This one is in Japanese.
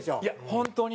本当に。